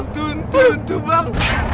tuntun tuh bang